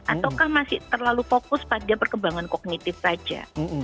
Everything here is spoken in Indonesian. ataukah masih terlalu fokus pada perkembangan kognitif saja